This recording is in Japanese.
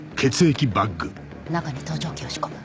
中に盗聴器を仕込む。